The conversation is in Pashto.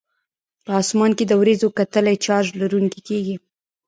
په اسمان کې د وریځو کتلې چارج لرونکي کیږي.